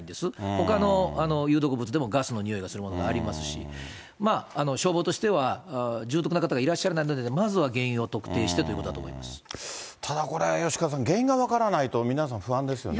ほかの有毒物でもガスの臭いがするものがありますし、消防としては重篤な方がいらっしゃらないので、まずは原因を特定してというただこれ、吉川さん、原因が分からないと、皆さん、不安ですよね。